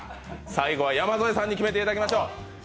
最期は山添さんに決めていただきましょう。